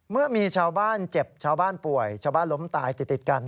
เมื่อมีชาวบ้านเจ็บชาวบ้านป่วยชาวบ้านล้มตายติดกัน